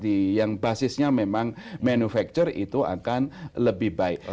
di jawa barat yang basisnya memang manufaktur itu akan lebih baik